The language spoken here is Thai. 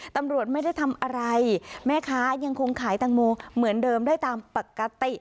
ตำรวจไม่ได้ทำอะไรแม่ค้ายังคงขายตังโมเหมือนเดิมได้ตามปกติ